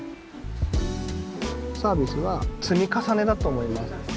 サービスは積み重ねだと思います。